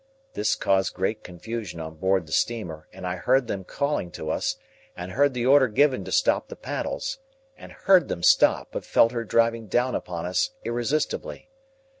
This caused great confusion on board the steamer, and I heard them calling to us, and heard the order given to stop the paddles, and heard them stop, but felt her driving down upon us irresistibly.